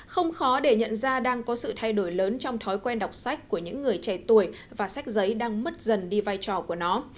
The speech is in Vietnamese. không khó để nhận ra đang có sự thay đổi lớn trong thói quen đọc sách của những người trẻ tuổi và sách giấy đang mất dần đi vai trò của nó